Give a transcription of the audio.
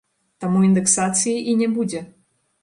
Таму індэксацыі і не будзе.